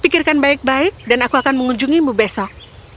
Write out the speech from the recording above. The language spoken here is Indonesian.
pikirkan baik baik dan aku akan mengunjungimu besok